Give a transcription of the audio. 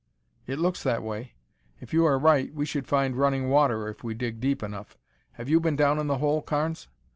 "It looks that way. If you are right, we should find running water if we dig deep enough. Have you been down in the hole, Carnes?"